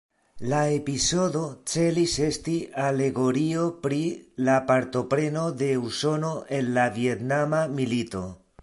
La epizodo celis esti alegorio pri la partopreno de Usono en la Vjetnama Milito.